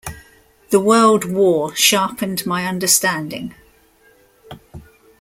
The World War sharpened my understanding...